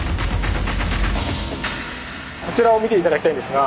こちらを見て頂きたいんですが。